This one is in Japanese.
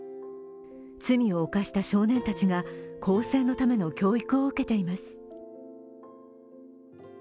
罪を犯した少年たちが更生のための教育を受けています。